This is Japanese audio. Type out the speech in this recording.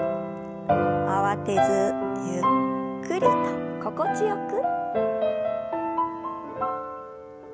慌てずゆっくりと心地よく。